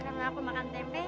karena aku makan tempe